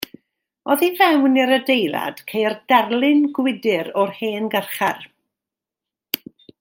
Oddi fewn i'r adeilad ceir darlun gwydr o'r hen garchar.